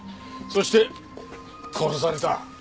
そして殺された。